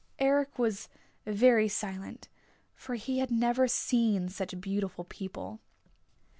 Eric was very silent, for he had never seen such beautiful people.